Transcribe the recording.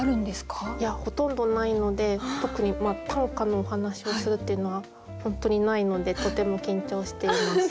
いやほとんどないので特に短歌のお話をするっていうのは本当にないのでとても緊張しています。